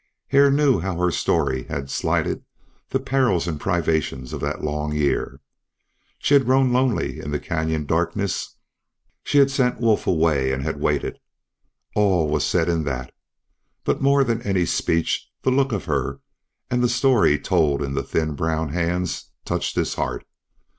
Hare knew how her story had slighted the perils and privations of that long year. She had grown lonely in the canyon darkness; she had sent Wolf away and had waited all was said in that. But more than any speech, the look of her, and the story told in the thin brown hands touched his heart.